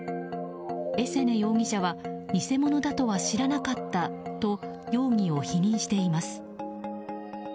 エセネ容疑者は偽物だとは知らなかったと容疑を否認しています。